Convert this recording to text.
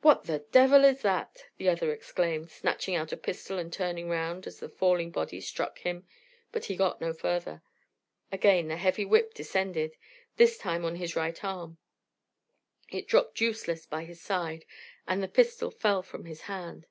"What the devil is that?" the other exclaimed, snatching out a pistol and turning round, as the falling body struck him, but he got no further. Again the heavy whip descended, this time on his right arm; it dropped useless by his side, and the pistol fell from his hand.